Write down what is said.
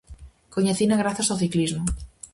Coñecina grazas ó ciclismo.